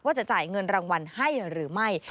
จะจ่ายเงินรางวัลให้หรือไม่